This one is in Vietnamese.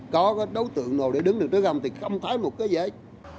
có đấu tượng nào để đứng đằng trước không thì không thấy một cái gì ấy